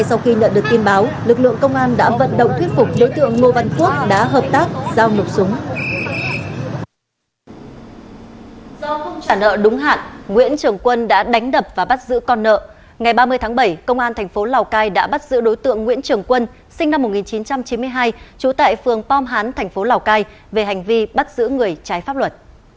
tuy nhiên bằng các biện pháp nghiệp vụ chỉ trong thời gian ngắn lực lượng công an đã bắt giữ được đối tượng dùng súng ak cướp tiệm vàng tại chợ đông ba